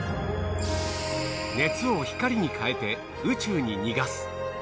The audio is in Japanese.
熱を光に変えて宇宙に逃がす